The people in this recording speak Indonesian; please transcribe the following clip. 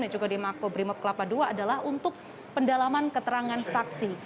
dan juga di mako brimob kelapa ii adalah untuk pendalaman keterangan saksi